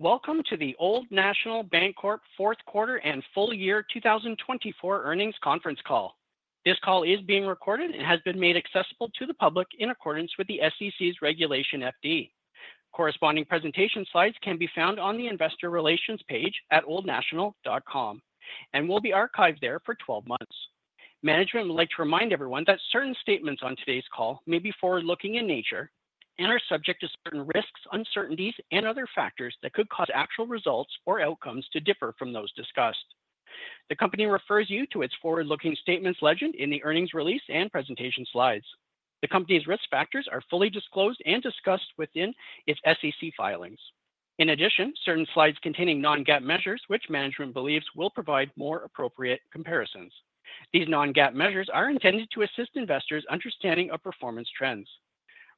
Welcome to the Old National Bancorp Fourth Quarter and Full Year 2024 Earnings Conference Call. This call is being recorded and has been made accessible to the public in accordance with the SEC's Regulation FD. Corresponding presentation slides can be found on the Investor Relations page at oldnational.com and will be archived there for 12 months. Management would like to remind everyone that certain statements on today's call may be forward-looking in nature and are subject to certain risks, uncertainties, and other factors that could cause actual results or outcomes to differ from those discussed. The company refers you to its forward-looking statements legend in the earnings release and presentation slides. The company's risk factors are fully disclosed and discussed within its SEC filings. In addition, certain slides containing non-GAAP measures, which management believes will provide more appropriate comparisons. These non-GAAP measures are intended to assist investors' understanding of performance trends.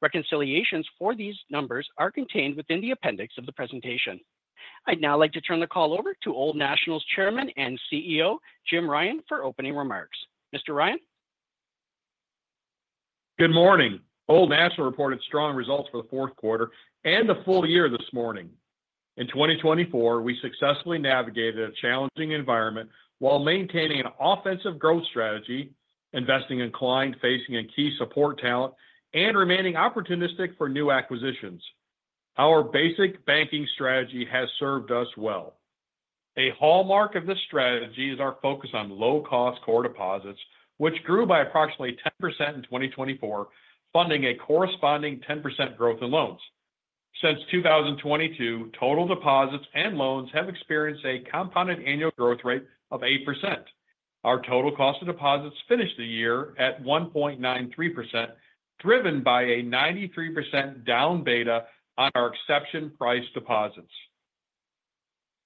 Reconciliations for these numbers are contained within the appendix of the presentation. I'd now like to turn the call over to Old National's Chairman and CEO, Jim Ryan, for opening remarks. Mr. Ryan. Good morning. Old National reported strong results for the fourth quarter and the full year this morning. In 2024, we successfully navigated a challenging environment while maintaining an offensive growth strategy, investing in client-facing and key support talent, and remaining opportunistic for new acquisitions. Our basic banking strategy has served us well. A hallmark of this strategy is our focus on low-cost core deposits, which grew by approximately 10% in 2024, funding a corresponding 10% growth in loans. Since 2022, total deposits and loans have experienced a compounded annual growth rate of 8%. Our total cost of deposits finished the year at 1.93%, driven by a 93% down beta on our exception price deposits.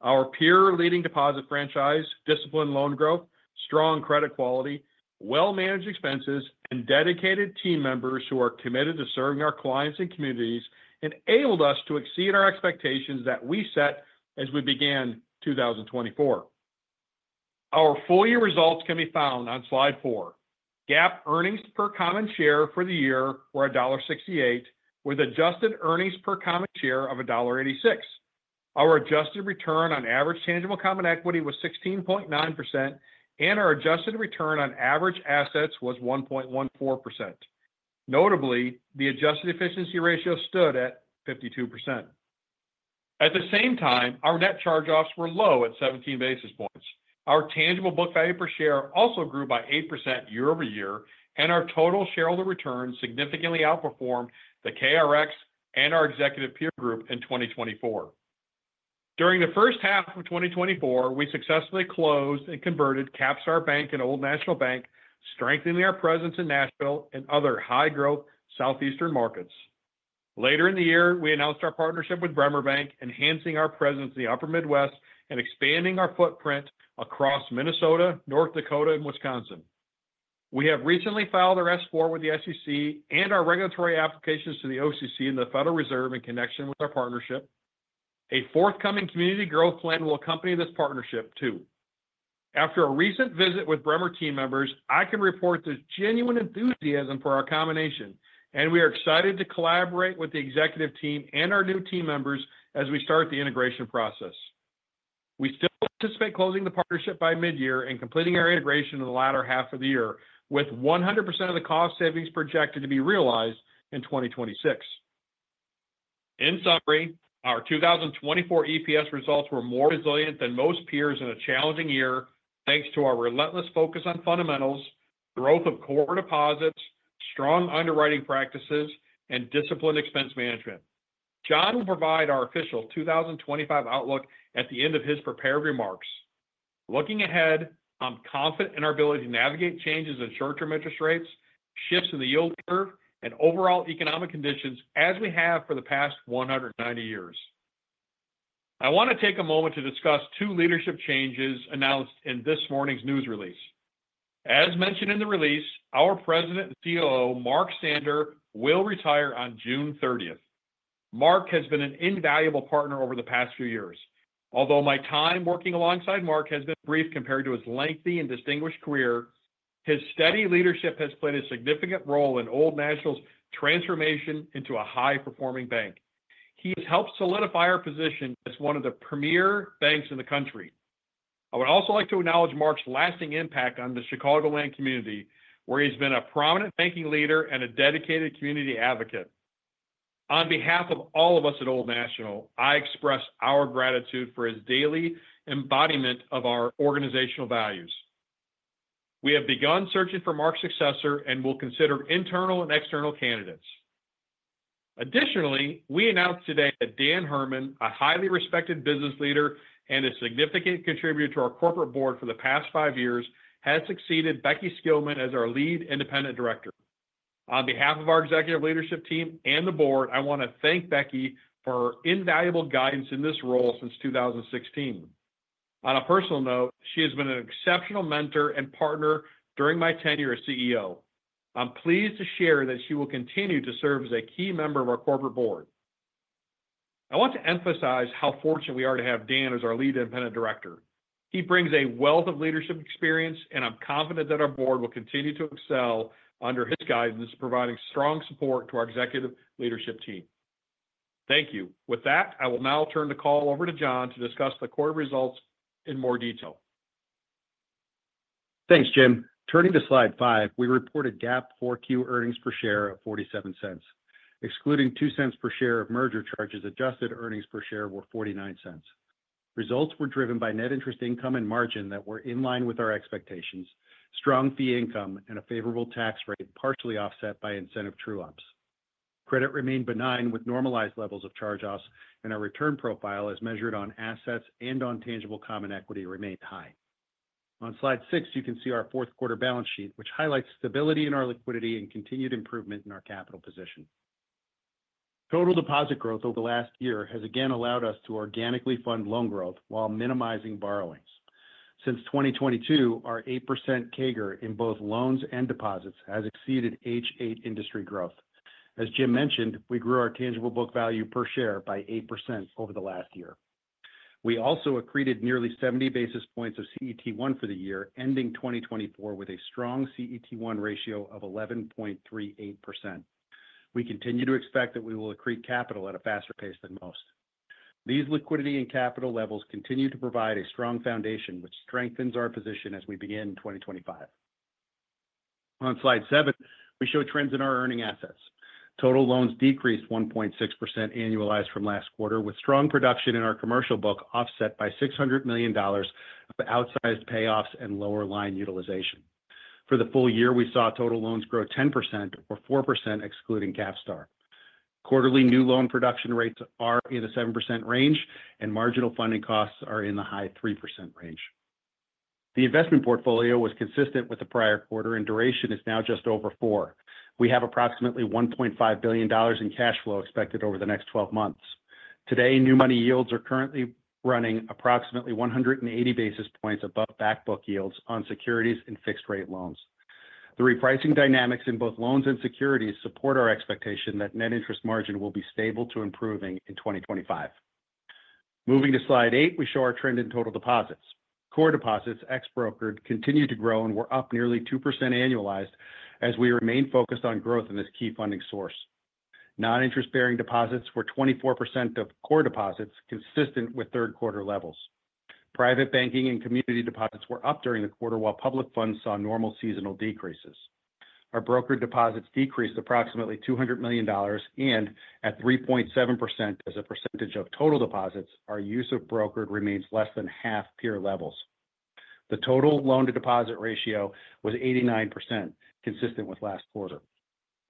Our peer-leading deposit franchise, disciplined loan growth, strong credit quality, well-managed expenses, and dedicated team members who are committed to serving our clients and communities enabled us to exceed our expectations that we set as we began 2024. Our full year results can be found on slide four. GAAP earnings per common share for the year were $1.68, with adjusted earnings per common share of $1.86. Our adjusted return on average tangible common equity was 16.9%, and our adjusted return on average assets was 1.14%. Notably, the adjusted efficiency ratio stood at 52%. At the same time, our net charge-offs were low at 17 basis points. Our tangible book value per share also grew by 8% year over year, and our total shareholder return significantly outperformed the KRX and our executive peer group in 2024. During the first half of 2024, we successfully closed and converted CapStar Bank and Old National Bank, strengthening our presence in Nashville and other high-growth southeastern markets. Later in the year, we announced our partnership with Bremer Bank, enhancing our presence in the Upper Midwest and expanding our footprint across Minnesota, North Dakota, and Wisconsin. We have recently filed our Form S-4 with the SEC and our regulatory applications to the OCC and the Federal Reserve in connection with our partnership. A forthcoming community growth plan will accompany this partnership too. After a recent visit with Bremer team members, I can report the genuine enthusiasm for our combination, and we are excited to collaborate with the executive team and our new team members as we start the integration process. We still anticipate closing the partnership by midyear and completing our integration in the latter half of the year, with 100% of the cost savings projected to be realized in 2026. In summary, our 2024 EPS results were more resilient than most peers in a challenging year, thanks to our relentless focus on fundamentals, growth of core deposits, strong underwriting practices, and disciplined expense management. John will provide our official 2025 outlook at the end of his prepared remarks. Looking ahead, I'm confident in our ability to navigate changes in short-term interest rates, shifts in the yield curve, and overall economic conditions as we have for the past 190 years. I want to take a moment to discuss two leadership changes announced in this morning's news release. As mentioned in the release, our President and COO, Mark Sander, will retire on June 30th. Mark has been an invaluable partner over the past few years. Although my time working alongside Mark has been brief compared to his lengthy and distinguished career, his steady leadership has played a significant role in Old National's transformation into a high-performing bank. He has helped solidify our position as one of the premier banks in the country. I would also like to acknowledge Mark's lasting impact on the Chicagoland community, where he's been a prominent banking leader and a dedicated community advocate. On behalf of all of us at Old National, I express our gratitude for his daily embodiment of our organizational values. We have begun searching for Mark's successor and will consider internal and external candidates. Additionally, we announced today that Dan Hermann, a highly respected business leader and a significant contributor to our corporate board for the past five years, has succeeded Becky Skillman as our lead independent director. On behalf of our executive leadership team and the board, I want to thank Becky for her invaluable guidance in this role since 2016. On a personal note, she has been an exceptional mentor and partner during my tenure as CEO. I'm pleased to share that she will continue to serve as a key member of our corporate board. I want to emphasize how fortunate we are to have Dan as our lead independent director. He brings a wealth of leadership experience, and I'm confident that our board will continue to excel under his guidance, providing strong support to our executive leadership team. Thank you. With that, I will now turn the call over to John to discuss the quarter results in more detail. Thanks, Jim. Turning to slide five, we reported GAAP 4Q earnings per share of $0.47. Excluding $0.02 per share of merger charges, adjusted earnings per share were $0.49. Results were driven by net interest income and margin that were in line with our expectations, strong fee income, and a favorable tax rate, partially offset by incentive true-ups. Credit remained benign with normalized levels of charge-offs, and our return profile, as measured on assets and on tangible common equity, remained high. On slide six, you can see our fourth quarter balance sheet, which highlights stability in our liquidity and continued improvement in our capital position. Total deposit growth over the last year has again allowed us to organically fund loan growth while minimizing borrowings. Since 2022, our 8% CAGR in both loans and deposits has exceeded H.8 industry growth. As Jim mentioned, we grew our tangible book value per share by 8% over the last year. We also accreted nearly 70 basis points of CET1 for the year, ending 2024 with a strong CET1 ratio of 11.38%. We continue to expect that we will accrete capital at a faster pace than most. These liquidity and capital levels continue to provide a strong foundation, which strengthens our position as we begin 2025. On slide seven, we show trends in our earning assets. Total loans decreased 1.6% annualized from last quarter, with strong production in our commercial book offset by $600 million of outsized payoffs and lower line utilization. For the full year, we saw total loans grow 10% or 4% excluding CapStar. Quarterly new loan production rates are in the 7% range, and marginal funding costs are in the high 3% range. The investment portfolio was consistent with the prior quarter, and duration is now just over four. We have approximately $1.5 billion in cash flow expected over the next 12 months. Today, new money yields are currently running approximately 180 basis points above backbook yields on securities and fixed-rate loans. The repricing dynamics in both loans and securities support our expectation that net interest margin will be stable to improving in 2025. Moving to slide eight, we show our trend in total deposits. Core deposits, ex-brokered, continued to grow and were up nearly 2% annualized as we remained focused on growth in this key funding source. Non-interest-bearing deposits were 24% of core deposits, consistent with third quarter levels. Private banking and community deposits were up during the quarter, while public funds saw normal seasonal decreases. Our brokered deposits decreased approximately $200 million, and at 3.7% as a percentage of total deposits, our use of brokered remains less than half peer levels. The total loan-to-deposit ratio was 89%, consistent with last quarter.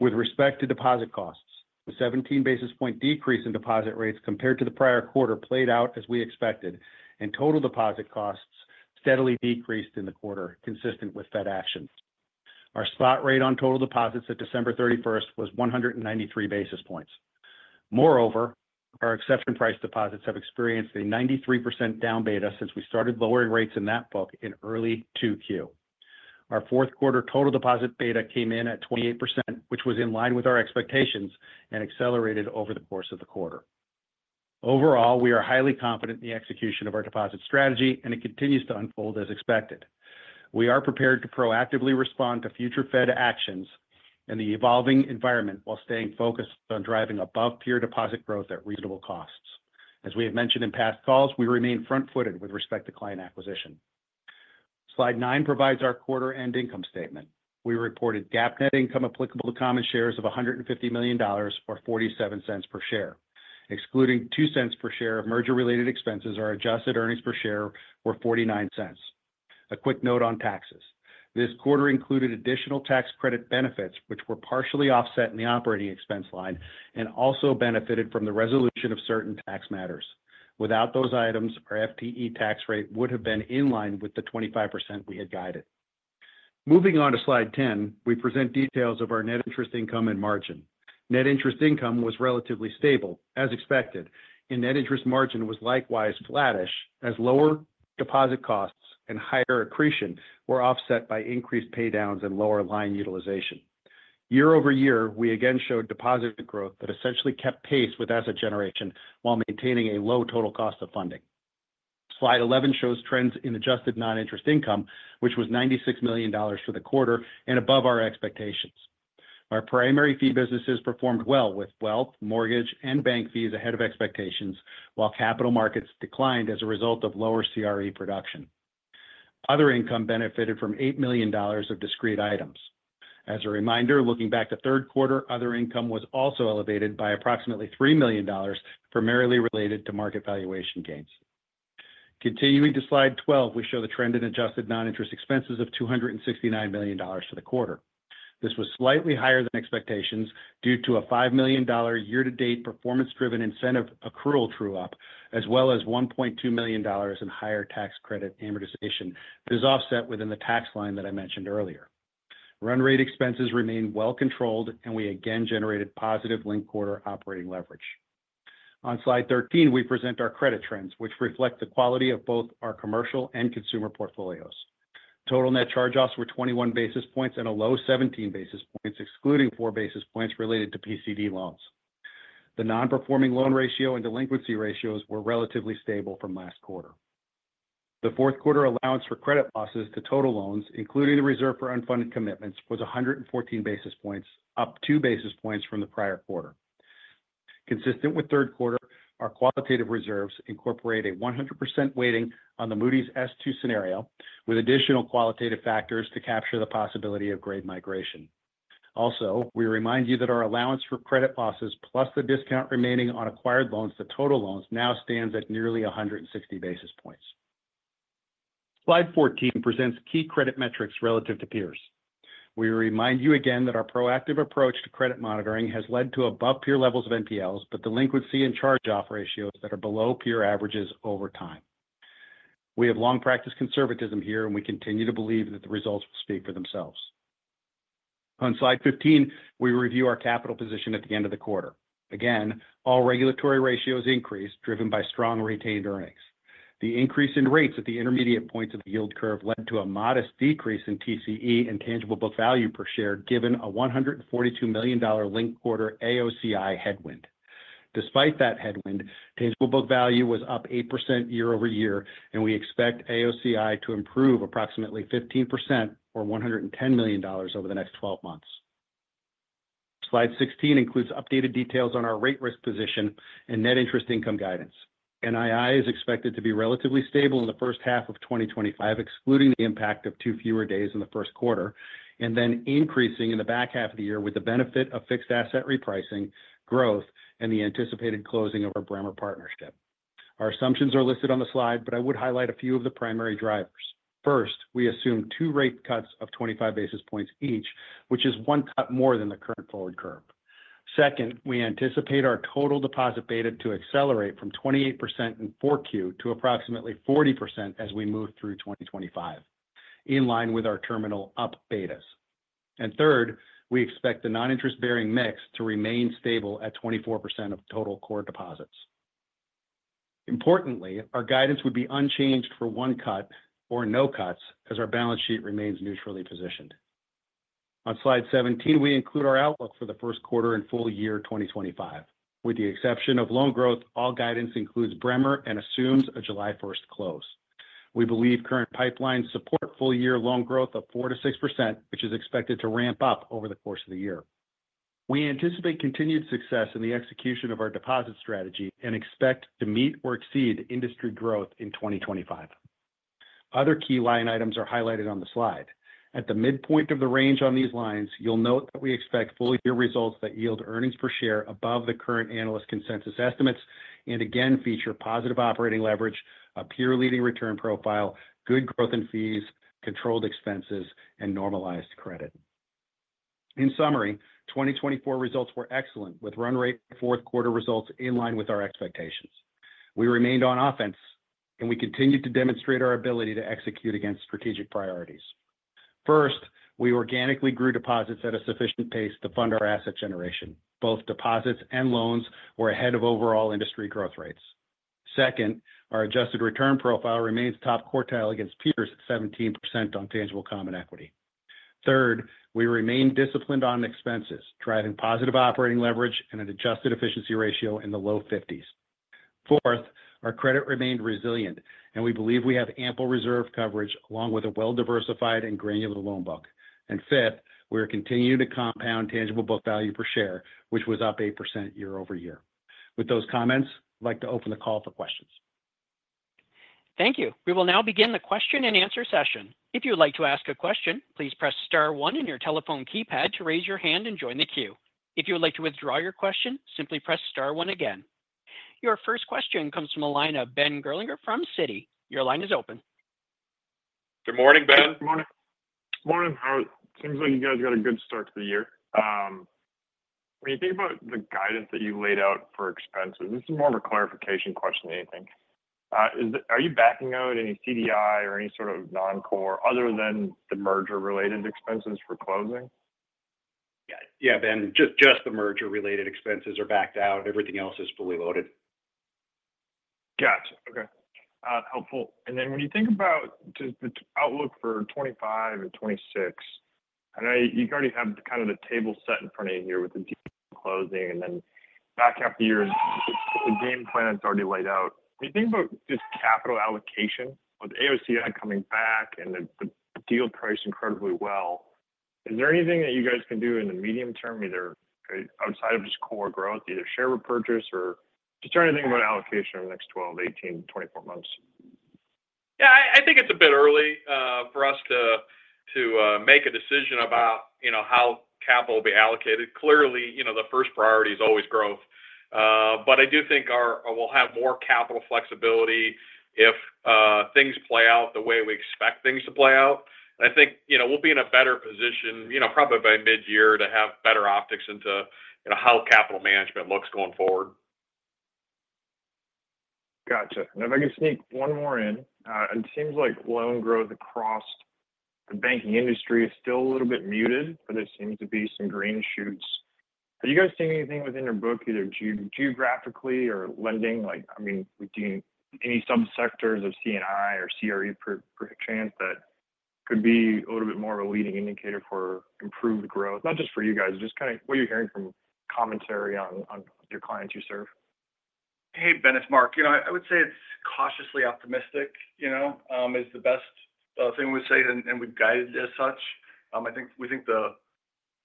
With respect to deposit costs, a 17 basis point decrease in deposit rates compared to the prior quarter played out as we expected, and total deposit costs steadily decreased in the quarter, consistent with Fed action. Our spot rate on total deposits at December 31st was 193 basis points. Moreover, our exception price deposits have experienced a 93% down beta since we started lowering rates in that book in early 2Q. Our fourth quarter total deposit beta came in at 28%, which was in line with our expectations and accelerated over the course of the quarter. Overall, we are highly confident in the execution of our deposit strategy, and it continues to unfold as expected. We are prepared to proactively respond to future Fed actions and the evolving environment while staying focused on driving above peer deposit growth at reasonable costs. As we have mentioned in past calls, we remain front-footed with respect to client acquisition. Slide nine provides our quarter-end income statement. We reported GAAP net income applicable to common shares of $150 million or $0.47 per share. Excluding $0.02 per share of merger-related expenses, our adjusted earnings per share were $0.49. A quick note on taxes. This quarter included additional tax credit benefits, which were partially offset in the operating expense line and also benefited from the resolution of certain tax matters. Without those items, our FTE tax rate would have been in line with the 25% we had guided. Moving on to slide 10, we present details of our net interest income and margin. Net interest income was relatively stable, as expected, and net interest margin was likewise flattish, as lower deposit costs and higher accretion were offset by increased pay downs and lower line utilization. Year over year, we again showed deposit growth that essentially kept pace with asset generation while maintaining a low total cost of funding. Slide 11 shows trends in adjusted non-interest income, which was $96 million for the quarter and above our expectations. Our primary fee businesses performed well with wealth, mortgage, and bank fees ahead of expectations, while capital markets declined as a result of lower CRE production. Other income benefited from $8 million of discrete items. As a reminder, looking back to third quarter, other income was also elevated by approximately $3 million, primarily related to market valuation gains. Continuing to slide 12, we show the trend in adjusted non-interest expenses of $269 million for the quarter. This was slightly higher than expectations due to a $5 million year-to-date performance-driven incentive accrual true-up, as well as $1.2 million in higher tax credit amortization, which is offset within the tax line that I mentioned earlier. Run rate expenses remained well controlled, and we again generated positive linked quarter operating leverage. On slide 13, we present our credit trends, which reflect the quality of both our commercial and consumer portfolios. Total net charge-offs were 21 basis points and a low 17 basis points, excluding four basis points related to PCD loans. The non-performing loan ratio and delinquency ratios were relatively stable from last quarter. The fourth quarter allowance for credit losses to total loans, including the reserve for unfunded commitments, was 114 basis points, up two basis points from the prior quarter. Consistent with third quarter, our qualitative reserves incorporate a 100% weighting on the Moody's S2 scenario, with additional qualitative factors to capture the possibility of grade migration. Also, we remind you that our allowance for credit losses, plus the discount remaining on acquired loans to total loans, now stands at nearly 160 basis points. Slide 14 presents key credit metrics relative to peers. We remind you again that our proactive approach to credit monitoring has led to above-peer levels of NPLs, but delinquency and charge-off ratios that are below peer averages over time. We have long practiced conservatism here, and we continue to believe that the results will speak for themselves. On slide 15, we review our capital position at the end of the quarter. Again, all regulatory ratios increased, driven by strong retained earnings. The increase in rates at the intermediate points of the yield curve led to a modest decrease in TCE and tangible book value per share, given a $142 million linked quarter AOCI headwind. Despite that headwind, tangible book value was up 8% year over year, and we expect AOCI to improve approximately 15% or $110 million over the next 12 months. Slide 16 includes updated details on our rate risk position and net interest income guidance. NII is expected to be relatively stable in the first half of 2025, excluding the impact of two fewer days in the first quarter, and then increasing in the back half of the year with the benefit of fixed asset repricing, growth, and the anticipated closing of our Bremer partnership. Our assumptions are listed on the slide, but I would highlight a few of the primary drivers. First, we assume two rate cuts of 25 basis points each, which is one cut more than the current forward curve. Second, we anticipate our total deposit beta to accelerate from 28% in Q4 to approximately 40% as we move through 2025, in line with our terminal up betas. And third, we expect the non-interest-bearing mix to remain stable at 24% of total core deposits. Importantly, our guidance would be unchanged for one cut or no cuts as our balance sheet remains neutrally positioned. On slide 17, we include our outlook for the first quarter and full year 2025. With the exception of loan growth, all guidance includes Bremer and assumes a July 1st close. We believe current pipelines support full year loan growth of 4%-6%, which is expected to ramp up over the course of the year. We anticipate continued success in the execution of our deposit strategy and expect to meet or exceed industry growth in 2025. Other key line items are highlighted on the slide. At the midpoint of the range on these lines, you'll note that we expect full year results that yield earnings per share above the current analyst consensus estimates and again feature positive operating leverage, a peer-leading return profile, good growth in fees, controlled expenses, and normalized credit. In summary, 2024 results were excellent, with run rate and fourth quarter results in line with our expectations. We remained on offense, and we continued to demonstrate our ability to execute against strategic priorities. First, we organically grew deposits at a sufficient pace to fund our asset generation. Both deposits and loans were ahead of overall industry growth rates. Second, our adjusted return profile remains top quartile against peers at 17% on tangible common equity. Third, we remained disciplined on expenses, driving positive operating leverage and an adjusted efficiency ratio in the low 50s. Fourth, our credit remained resilient, and we believe we have ample reserve coverage along with a well-diversified and granular loan book. And fifth, we are continuing to compound tangible book value per share, which was up 8% year over year. With those comments, I'd like to open the call for questions. Thank you. We will now begin the question and answer session. If you'd like to ask a question, please press star one in your telephone keypad to raise your hand and join the queue. If you would like to withdraw your question, simply press star one again. Your first question comes from Ben Gerlinger from Citi. Your line is open. Good morning, Ben. Good morning. Good morning. It seems like you guys got a good start to the year. When you think about the guidance that you laid out for expenses, this is more of a clarification question than anything. Are you backing out any CDI or any sort of non-core other than the merger-related expenses for closing? Yeah, Ben, just the merger-related expenses are backed out. Everything else is fully loaded. Gotcha. Okay. Helpful. And then when you think about just the outlook for 2025 and 2026, I know you already have kind of the table set in front of you here with the deal closing and then back half the year and the game plan that's already laid out. When you think about just capital allocation, with AOCI coming back and the deal price incredibly well, is there anything that you guys can do in the medium term, either outside of just core growth, either share repurchase or just trying to think about allocation over the next 12 months, 18 months, 24 months? Yeah, I think it's a bit early for us to make a decision about how capital will be allocated. Clearly, the first priority is always growth. But I do think we'll have more capital flexibility if things play out the way we expect things to play out. I think we'll be in a better position probably by mid-year to have better optics into how capital management looks going forward. Gotcha. And if I can sneak one more in, it seems like loan growth across the banking industry is still a little bit muted, but there seems to be some green shoots. Have you guys seen anything within your book, either geographically or lending? I mean, any subsectors of C&I or CRE chance that could be a little bit more of a leading indicator for improved growth, not just for you guys, just kind of what you're hearing from commentary on your clients you serve? Hey, Ben, it's Mark. I would say it's cautiously optimistic is the best thing we would say, and we've guided as such. I think we think the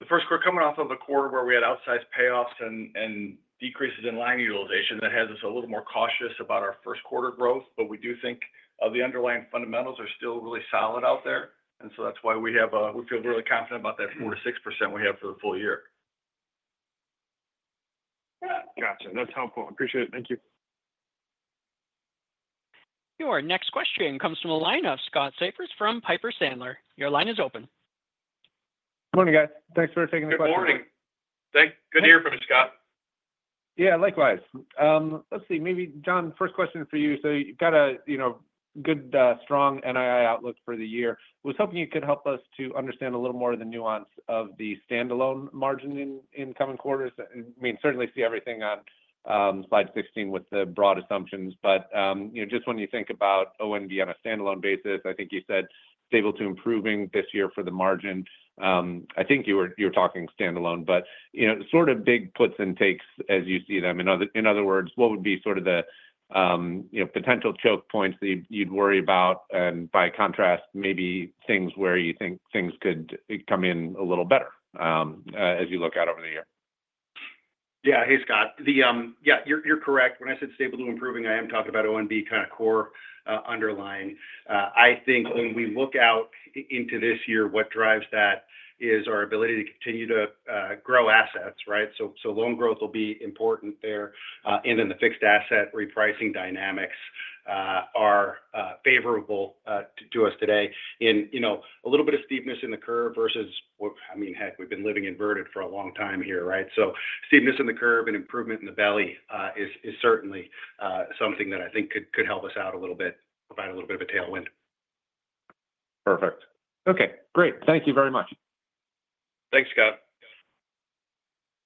first quarter coming off of the quarter where we had outsized payoffs and decreases in line utilization, that has us a little more cautious about our first quarter growth. But we do think the underlying fundamentals are still really solid out there. And so that's why we feel really confident about that 4%-6% we have for the full year. Gotcha. That's helpful. Appreciate it. Thank you. Your next question comes from Scott Siefers from Piper Sandler. Your line is open. Good morning, guys. Thanks for taking the question. Good morning. Good to hear from you, Scott. Yeah, likewise. Let's see. Maybe, John, first question for you. So you've got a good, strong NII outlook for the year. I was hoping you could help us to understand a little more of the nuance of the standalone margin in coming quarters. I mean, certainly see everything on slide 16 with the broad assumptions. But just when you think about ONB being on a standalone basis, I think you said stable to improving this year for the margin. I think you were talking standalone, but sort of big puts and takes as you see them. In other words, what would be sort of the potential choke points that you'd worry about? And by contrast, maybe things where you think things could come in a little better as you look out over the year. Yeah. Hey, Scott. Yeah, you're correct. When I said stable to improving, I am talking about ONB kind of core underlying. I think when we look out into this year, what drives that is our ability to continue to grow assets, right? So loan growth will be important there. And then the fixed asset repricing dynamics are favorable to us today. And a little bit of steepness in the curve versus, I mean, heck, we've been living inverted for a long time here, right? So steepness in the curve and improvement in the belly is certainly something that I think could help us out a little bit, provide a little bit of a tailwind. Perfect. Okay. Great. Thank you very much. Thanks, Scott.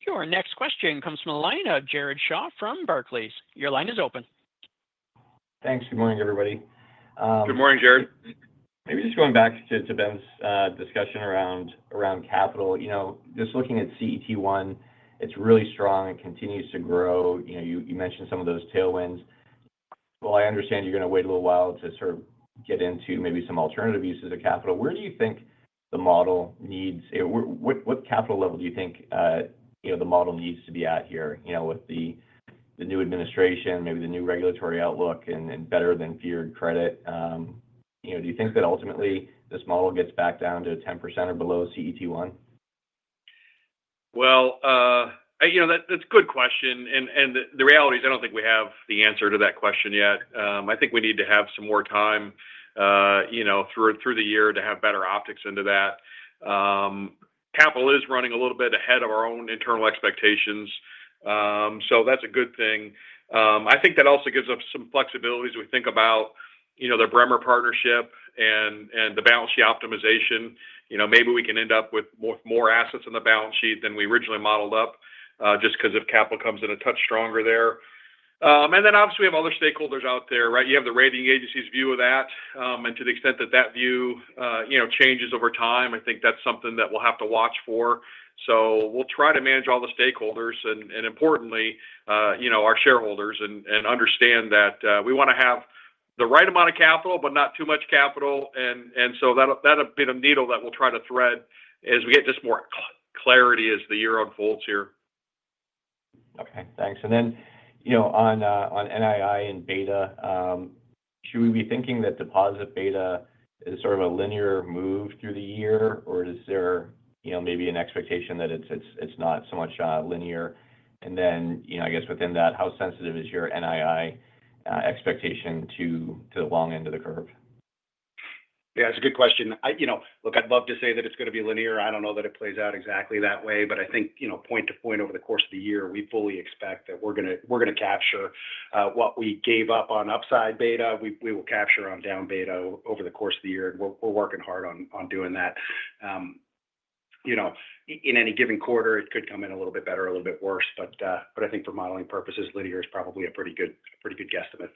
Your next question comes from Jared Shaw from Barclays. Your line is open. Thanks. Good morning, everybody. Good morning, Jared. Maybe just going back to Ben's discussion around capital, just looking at CET1, it's really strong and continues to grow. You mentioned some of those tailwinds. I understand you're going to wait a little while to sort of get into maybe some alternative uses of capital. Where do you think the model needs, what capital level do you think the model needs to be at here with the new administration, maybe the new regulatory outlook, and better than feared credit? Do you think that ultimately this model gets back down to 10% or below CET1? That's a good question. The reality is I don't think we have the answer to that question yet. I think we need to have some more time through the year to have better optics into that. Capital is running a little bit ahead of our own internal expectations. So that's a good thing. I think that also gives us some flexibility as we think about the Bremer partnership and the balance sheet optimization. Maybe we can end up with more assets in the balance sheet than we originally modeled up just because of capital comes in a touch stronger there. And then obviously we have other stakeholders out there, right? You have the rating agencies' view of that. And to the extent that that view changes over time, I think that's something that we'll have to watch for. So we'll try to manage all the stakeholders and, importantly, our shareholders and understand that we want to have the right amount of capital, but not too much capital. And so that'll be the needle that we'll try to thread as we get just more clarity as the year unfolds here. Okay. Thanks. And then on NII and beta, should we be thinking that deposit beta is sort of a linear move through the year, or is there maybe an expectation that it's not so much linear? And then I guess within that, how sensitive is your NII expectation to the long end of the curve? Yeah, that's a good question. Look, I'd love to say that it's going to be linear. I don't know that it plays out exactly that way. But I think point to point over the course of the year, we fully expect that we're going to capture what we gave up on upside beta. We will capture on down beta over the course of the year. And we're working hard on doing that. In any given quarter, it could come in a little bit better, a little bit worse. But I think for modeling purposes, linear is probably a pretty good guesstimate.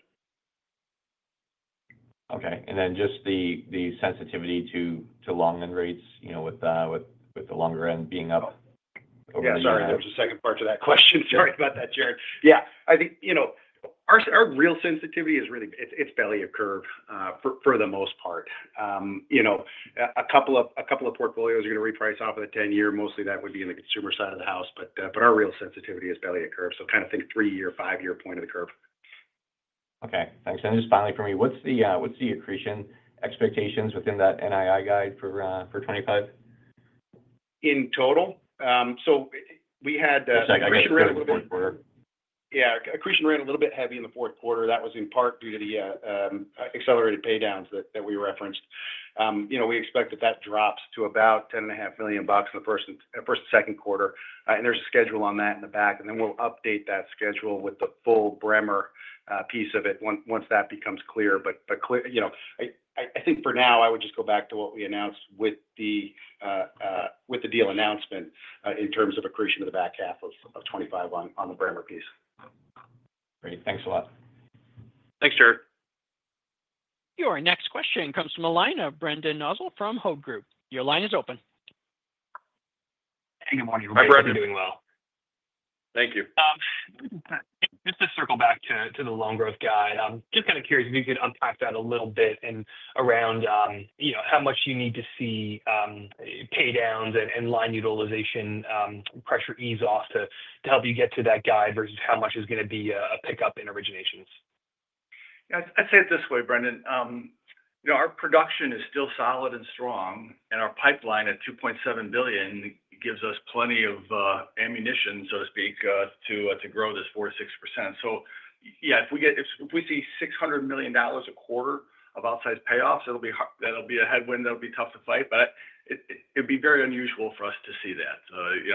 Okay. And then just the sensitivity to long end rates with the longer end being up over the year? Yeah, sorry. There was a second part to that question. Sorry about that, Jared. Yeah. I think our real sensitivity is really it's belly of curve for the most part. A couple of portfolios are going to reprice off of the 10-year. Mostly that would be in the consumer side of the house. But our real sensitivity is belly of curve. So kind of think three-year, five-year point of the curve. Okay. Thanks. And just finally for me, what's the accretion expectations within that NII guide for 2025? In total? So we had. Actually, accretion ran a little bit. Yeah. Accretion ran a little bit heavy in the fourth quarter. That was in part due to the accelerated paydowns that we referenced. We expect that that drops to about $10.5 million in the first and second quarter. And there's a schedule on that in the back. And then we'll update that schedule with the full Bremer piece of it once that becomes clear. But I think for now, I would just go back to what we announced with the deal announcement in terms of accretion to the back half of 2025 on the Bremer piece. Great. Thanks a lot. Thanks, Jared. Your next question comes from Brendan Nosal from Hovde Group. Your line is open. Hey, good morning. My brother's doing well. Thank you. Just to circle back to the loan growth guide, I'm just kind of curious if you could unpack that a little bit around how much you need to see paydowns and line utilization pressure ease off to help you get to that guide versus how much is going to be a pickup in originations. Yeah. I'd say it this way, Brendon. Our production is still solid and strong, and our pipeline at $2.7 billion gives us plenty of ammunition, so to speak, to grow this 4%-6%. So yeah, if we see $600 million a quarter of outsized payoffs, that'll be a headwind that'll be tough to fight. But it'd be very unusual for us to see that.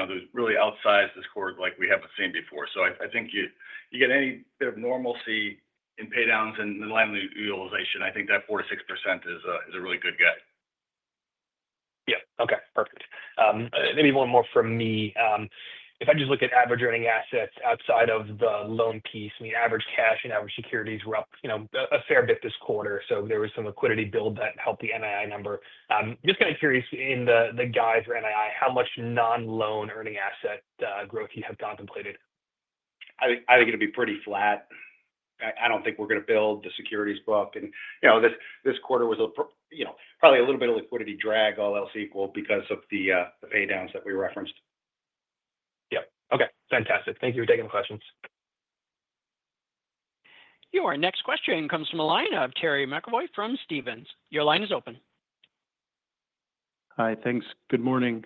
There's really outsized this quarter like we haven't seen before. So I think you get any bit of normalcy in paydowns and line utilization, I think that 4%-6% is a really good guide. Yeah. Okay. Perfect. Maybe one more from me. If I just look at average earning assets outside of the loan piece, I mean, average cash and average securities were up a fair bit this quarter. So there was some liquidity build that helped the NII number. Just kind of curious in the guide for NII, how much non-loan earning asset growth you have contemplated? I think it'll be pretty flat. I don't think we're going to build the securities book. And this quarter was probably a little bit of liquidity drag, all else equal, because of the paydowns that we referenced. Yep. Okay. Fantastic. Thank you for taking the questions. Your next question comes from Terry McEvoy from Stephens. Your line is open. Hi. Thanks. Good morning.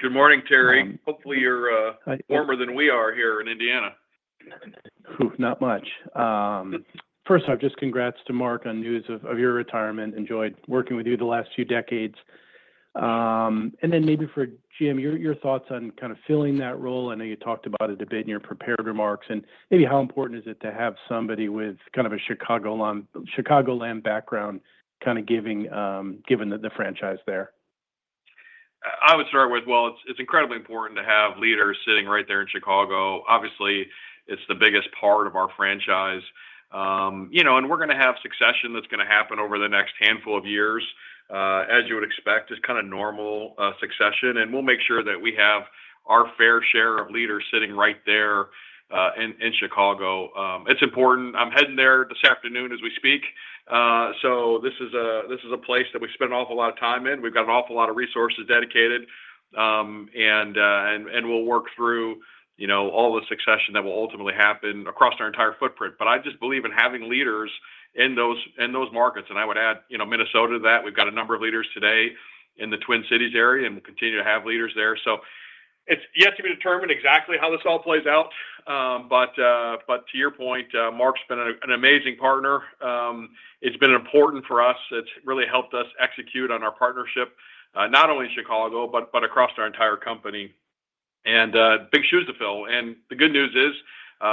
Good morning, Terry. Hopefully, you're warmer than we are here in Indiana. Not much. First, I've just congrats to Mark on news of your retirement. Enjoyed working with you the last few decades, and then maybe for Jim, your thoughts on kind of filling that role. I know you talked about it a bit in your prepared remarks, and maybe how important is it to have somebody with kind of a Chicagoland background kind of given the franchise there? I would start with, well, it's incredibly important to have leaders sitting right there in Chicago. Obviously, it's the biggest part of our franchise. And we're going to have succession that's going to happen over the next handful of years, as you would expect. It's kind of normal succession. And we'll make sure that we have our fair share of leaders sitting right there in Chicago. It's important. I'm heading there this afternoon as we speak. So this is a place that we spend an awful lot of time in. We've got an awful lot of resources dedicated. And we'll work through all the succession that will ultimately happen across our entire footprint. But I just believe in having leaders in those markets. And I would add Minnesota to that. We've got a number of leaders today in the Twin Cities area and will continue to have leaders there. So it's yet to be determined exactly how this all plays out. But to your point, Mark's been an amazing partner. It's been important for us. It's really helped us execute on our partnership, not only in Chicago, but across our entire company. And big shoes to fill. And the good news is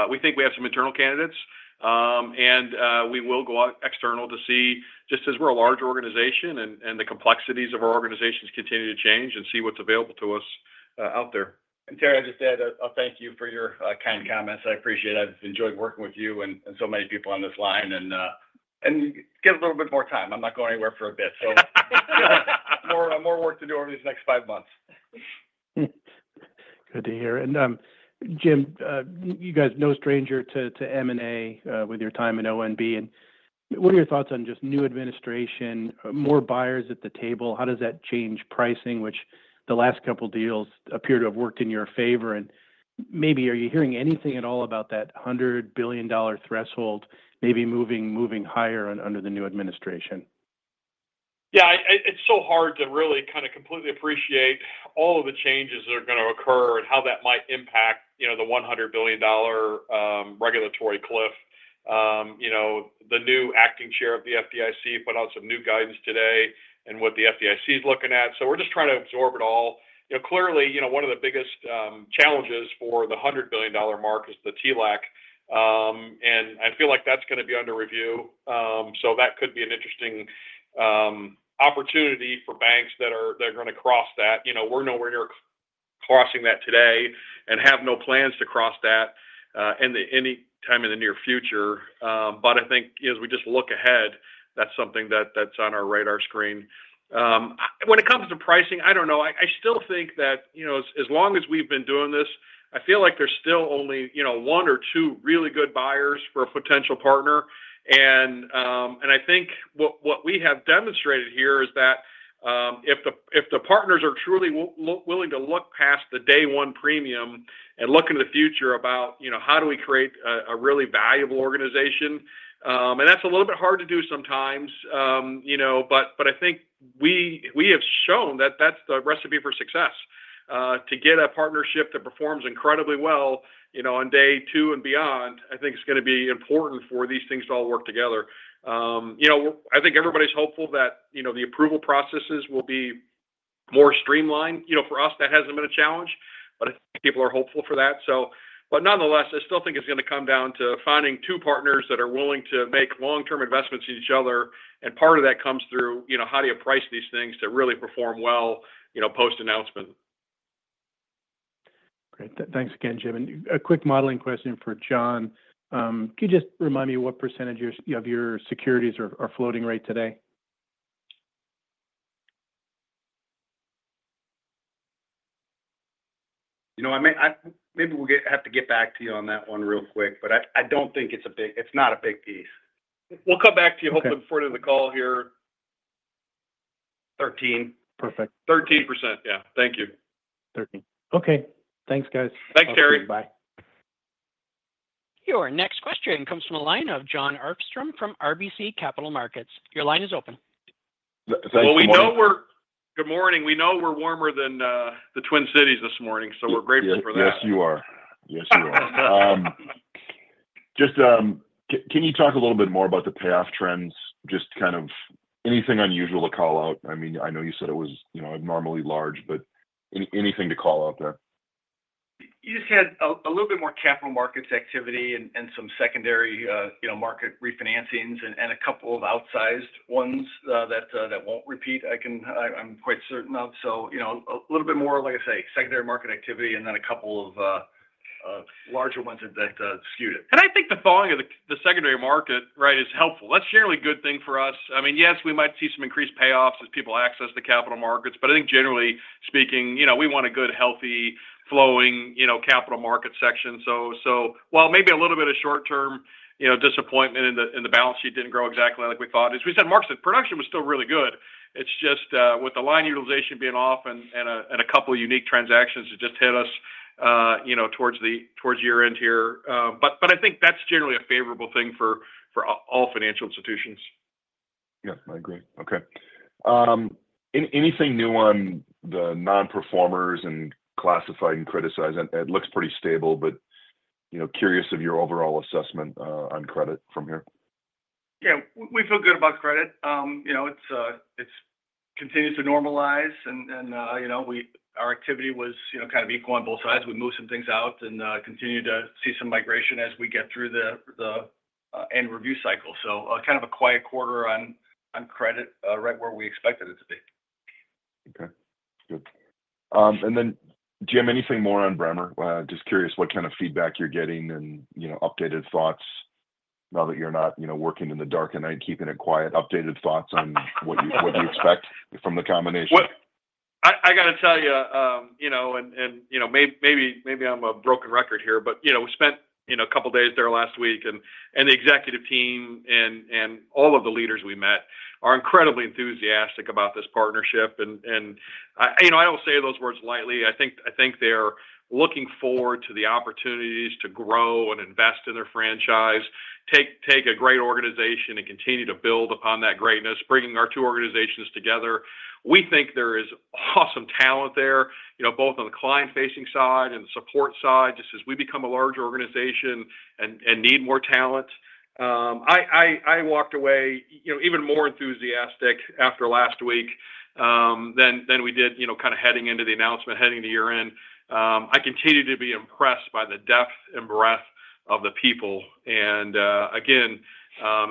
we think we have some internal candidates. And we will go out external to see, just as we're a large organization and the complexities of our organizations continue to change, and see what's available to us out there. And Terry, I just add a thank you for your kind comments. I appreciate it. I've enjoyed working with you and so many people on this line. And get a little bit more time. I'm not going anywhere for a bit. So more work to do over these next five months. Good to hear. And Jim, you guys are no stranger to M&A with your time in ONB. And what are your thoughts on just new administration, more buyers at the table? How does that change pricing, which the last couple of deals appear to have worked in your favor? And maybe are you hearing anything at all about that $100 billion threshold maybe moving higher under the new administration? Yeah. It's so hard to really kind of completely appreciate all of the changes that are going to occur and how that might impact the $100 billion regulatory cliff. The new acting chair of the FDIC put out some new guidance today and what the FDIC is looking at. So we're just trying to absorb it all. Clearly, one of the biggest challenges for the $100 billion mark is the TLAC. And I feel like that's going to be under review. So that could be an interesting opportunity for banks that are going to cross that. We're nowhere near crossing that today and have no plans to cross that anytime in the near future. But I think as we just look ahead, that's something that's on our radar screen. When it comes to pricing, I don't know. I still think that as long as we've been doing this, I feel like there's still only one or two really good buyers for a potential partner. And I think what we have demonstrated here is that if the partners are truly willing to look past the day-one premium and look into the future about how do we create a really valuable organization. And that's a little bit hard to do sometimes. But I think we have shown that that's the recipe for success. To get a partnership that performs incredibly well on day two and beyond, I think it's going to be important for these things to all work together. I think everybody's hopeful that the approval processes will be more streamlined. For us, that hasn't been a challenge. But I think people are hopeful for that. But nonetheless, I still think it's going to come down to finding two partners that are willing to make long-term investments in each other. And part of that comes through how do you price these things to really perform well post-announcement. Great. Thanks again, Jim. And a quick modeling question for John. Can you just remind me what percentage of your securities are floating right today? Maybe we'll have to get back to you on that one real quick. But I don't think it's not a big piece. We'll come back to you hopefully before the end of the call here. Perfect. 13%. Yeah. Thank you. Okay. Thanks, guys. Thanks, Terry. Bye. Your next question comes from analyst Jon Arfstrom from RBC Capital Markets. Your line is open. Good morning. We know we're warmer than the Twin Cities this morning. So we're grateful for that. Yes, you are. Yes, you are. Just can you talk a little bit more about the payoff trends? Just kind of anything unusual to call out? I mean, I know you said it was abnormally large, but anything to call out there? You just had a little bit more capital markets activity and some secondary market refinancings and a couple of outsized ones that won't repeat, I'm quite certain of. So a little bit more, like I say, secondary market activity and then a couple of larger ones that skewed it. And I think the following of the secondary market, right, is helpful. That's generally a good thing for us. I mean, yes, we might see some increased payoffs as people access the capital markets. But I think generally speaking, we want a good, healthy, flowing capital market section. So while maybe a little bit of short-term disappointment in the balance sheet didn't grow exactly like we thought, as we said, Mark said, production was still really good. It's just with the line utilization being off and a couple of unique transactions that just hit us towards year-end here. But I think that's generally a favorable thing for all financial institutions. Yes, I agree. Okay. Anything new on the non-performers and classified and criticized? It looks pretty stable, but curious of your overall assessment on credit from here. Yeah. We feel good about credit. It's continued to normalize. And our activity was kind of equal on both sides. We moved some things out and continue to see some migration as we get through the end review cycle. So kind of a quiet quarter on credit right where we expected it to be. Okay. Good. And then Jim, anything more on Bremer? Just curious what kind of feedback you're getting and updated thoughts now that you're not working in the dark at night, keeping it quiet, updated thoughts on what you expect from the combination? I got to tell you, and maybe I'm a broken record here, but we spent a couple of days there last week, and the executive team and all of the leaders we met are incredibly enthusiastic about this partnership, and I don't say those words lightly. I think they're looking forward to the opportunities to grow and invest in their franchise, take a great organization, and continue to build upon that greatness, bringing our two organizations together. We think there is awesome talent there, both on the client-facing side and the support side, just as we become a larger organization and need more talent. I walked away even more enthusiastic after last week than we did kind of heading into the announcement, heading into year-end. I continue to be impressed by the depth and breadth of the people. And again,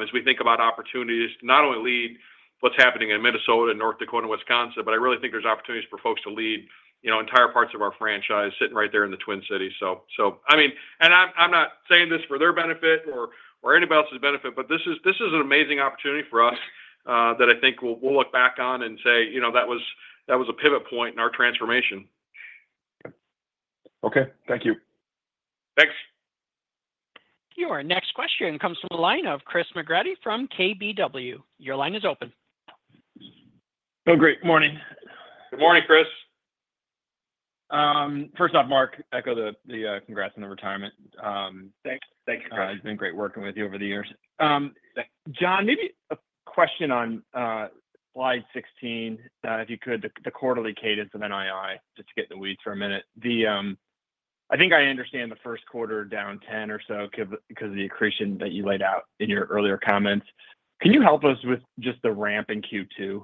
as we think about opportunities, not only lead what's happening in Minnesota and North Dakota and Wisconsin, but I really think there's opportunities for folks to lead entire parts of our franchise sitting right there in the Twin Cities. So I mean, and I'm not saying this for their benefit or anybody else's benefit, but this is an amazing opportunity for us that I think we'll look back on and say that was a pivot point in our transformation. Okay. Thank you. Thanks. Your next question comes from a line of Chris McGratty from KBW. Your line is open. Oh, great. Good morning. Good morning, Chris. First off, Mark, echo the congrats on the retirement. Thanks. Thank you, guys. It's been great working with you over the years. John, maybe a question on slide 16, if you could, the quarterly cadence of NII, just to get in the weeds for a minute. I think I understand the first quarter down 10 or so because of the accretion that you laid out in your earlier comments. Can you help us with just the ramp in Q2?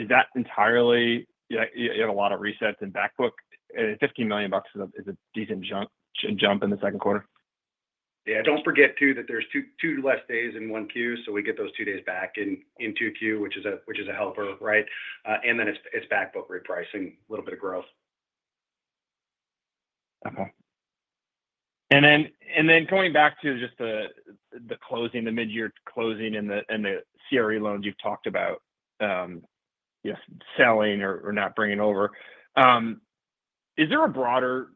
Is that entirely you have a lot of resets in backbook? $15 million is a decent jump in the second quarter. Yeah. Don't forget too that there's two less days in 1Q. So we get those two days back in 2Q, which is a helper, right? And then it's backbook repricing, a little bit of growth. Okay. And then coming back to just the closing, the mid-year closing and the CRE loans you've talked about, selling or not bringing over, is there a broader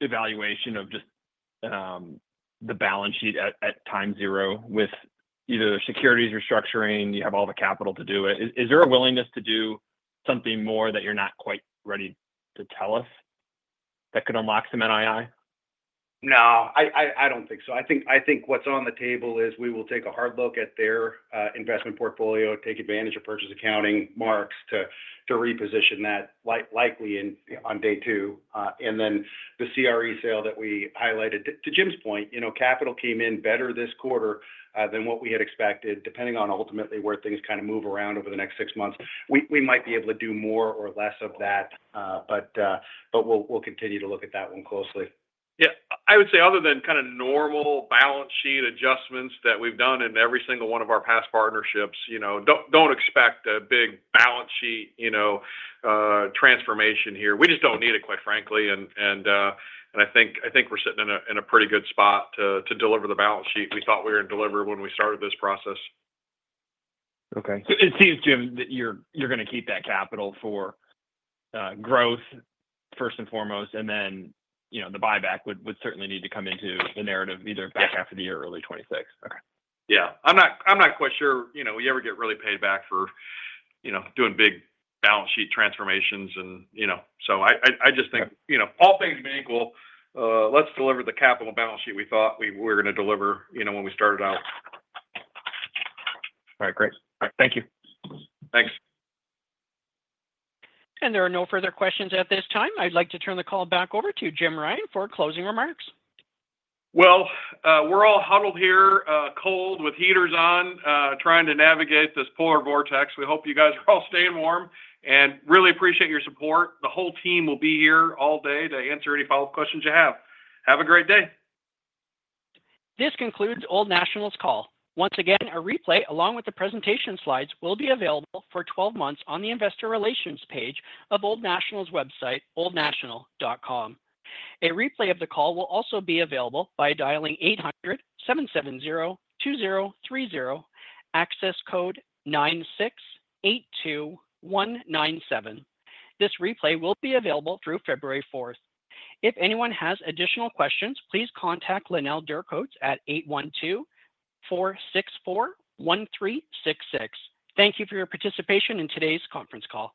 evaluation of just the balance sheet at time zero with either securities restructuring? You have all the capital to do it. Is there a willingness to do something more that you're not quite ready to tell us that could unlock some NII? No, I don't think so. I think what's on the table is we will take a hard look at their investment portfolio, take advantage of purchase accounting marks to reposition that likely on day two, and then the CRE sale that we highlighted. To Jim's point, capital came in better this quarter than what we had expected, depending on ultimately where things kind of move around over the next six months. We might be able to do more or less of that, but we'll continue to look at that one closely. Yeah. I would say other than kind of normal balance sheet adjustments that we've done in every single one of our past partnerships, don't expect a big balance sheet transformation here. We just don't need it, quite frankly. I think we're sitting in a pretty good spot to deliver the balance sheet we thought we were going to deliver when we started this process. Okay. It seems, Jim, that you're going to keep that capital for growth first and foremost. And then the buyback would certainly need to come into the narrative either back after the year or early 2026. Okay. Yeah. I'm not quite sure we ever get really paid back for doing big balance sheet transformations, and so I just think all things being equal, let's deliver the capital balance sheet we thought we were going to deliver when we started out. All right. Great. Thank you. Thanks. There are no further questions at this time. I'd like to turn the call back over to Jim Ryan for closing remarks. We're all huddled here, cold with heaters on, trying to navigate this polar vortex. We hope you guys are all staying warm and really appreciate your support. The whole team will be here all day to answer any follow-up questions you have. Have a great day. This concludes Old National's call. Once again, a replay along with the presentation slides will be available for 12 months on the Investor Relations page of Old National's website, oldnational.com. A replay of the call will also be available by dialing 800-770-2030, access code 9682197. This replay will be available through February 4th. If anyone has additional questions, please contact Lynell Walton at 812-464-1366. Thank you for your participation in today's conference call.